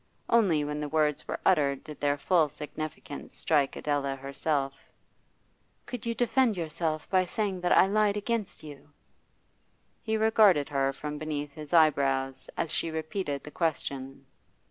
Only when the words were uttered did their full significance strike Adela herself. 'You could defend yourself by saying that I lied against you?' He regarded her from beneath his eyebrows as she repeated the question.